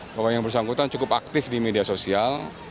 bahwa yang bersangkutan cukup aktif di media sosial